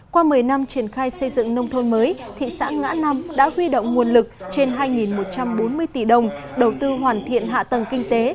qua một mươi năm triển khai xây dựng nông thôn mới thị xã ngã năm đã huy động nguồn lực trên hai một trăm bốn mươi tỷ đồng đầu tư hoàn thiện hạ tầng kinh tế